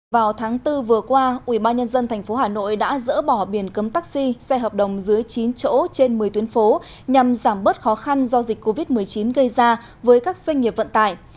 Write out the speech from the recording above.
vào tháng bốn vừa qua ubnd tp hà nội đã dỡ bỏ biển cấm taxi xe hợp đồng dưới chín chỗ trên một mươi tuyến phố nhằm giảm bớt khó khăn do dịch covid một mươi chín gây ra với các doanh nghiệp vận tải